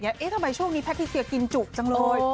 เอ๊ะทำไมช่วงนี้แพทิเซียกินจุกจังเลย